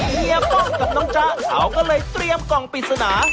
เฮียป้องกับน้องจ๊ะเขาก็เลยเตรียมกล่องปริศนา